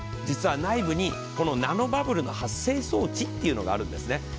実は内部にこのナノバブルの発生装置っていうのがあるんですね。